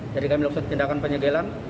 jadi kami laksanakan tindakan penyegelan